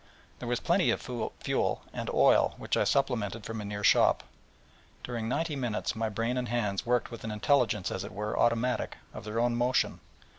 There was plenty of fuel, and oil, which I supplemented from a near shop: and during ninety minutes my brain and hands worked with an intelligence as it were automatic, of their own motion.